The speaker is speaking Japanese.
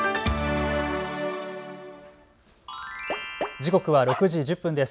時刻は６時１０分です。